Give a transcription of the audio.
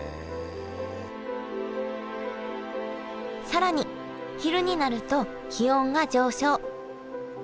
更に昼になると気温が上昇。